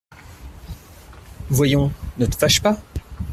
Voyons, ne te fâche pas…